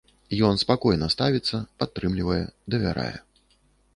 Ён спакойна ставіцца, падтрымлівае, давярае.